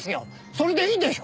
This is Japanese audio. それでいいでしょう？